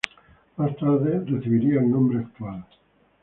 Más tarde recibiría el nombre actual.